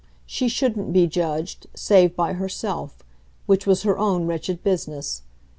She shouldn't be judged save by herself; which was her own wretched business.